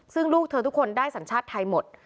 ซึ่งลูกเธอทุกคนได้สัญชาติไทยหมด